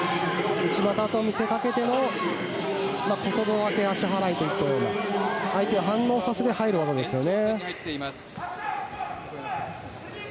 内股と見せかけての小外掛け、足払いといったような相手を反応させて入る技ですよね。